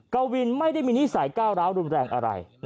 กวินไม่ได้มีนิสัยก้าวร้าวรุนแรงอะไร